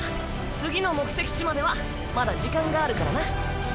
次の目的地まではまだ時間があるからな。